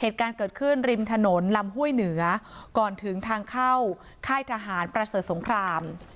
เหตุการณ์เกิดขึ้นริมถนนลำห้วยเหนือก่อนถึงทางเข้าค่ายทหารประเสริฐสงคราม